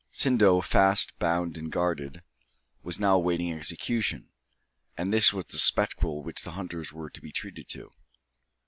Sindo, fast bound and guarded, was now awaiting execution; and this was the spectacle which the hunters were to be treated to.